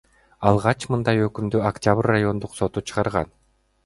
Алгач мындай өкүмдү Октябрь райондук соту чыгарган.